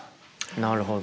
なるほど。